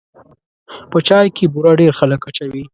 په چای کې بوره ډېر خلک اچوي.